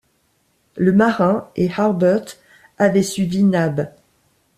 Le marin et Harbert avaient suivi Nab.